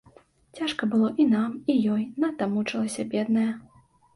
Цяжка было і нам, і ёй, надта мучылася бедная.